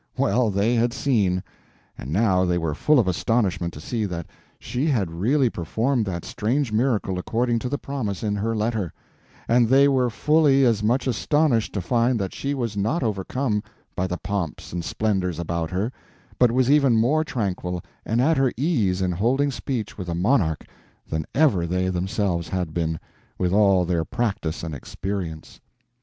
Well, they had seen, and now they were full of astonishment to see that she had really performed that strange miracle according to the promise in her letter; and they were fully as much astonished to find that she was not overcome by the pomps and splendors about her, but was even more tranquil and at her ease in holding speech with a monarch than ever they themselves had been, with all their practice and experience.